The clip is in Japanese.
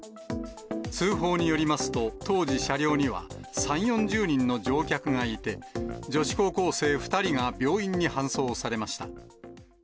通報によりますと、当時、車両には３、４０人の乗客がいて、女子高校生２人が病院に搬送されました。